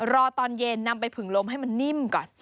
รอตอนเย็นนำไปผึงลมให้มันนิ่มก่อน